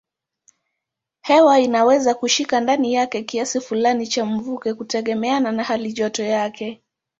Hewa inaweza kushika ndani yake kiasi fulani cha mvuke kutegemeana na halijoto yake.